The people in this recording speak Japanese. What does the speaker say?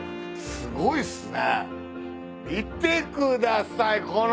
すごないっすか？